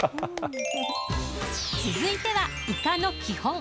続いてはイカの基本。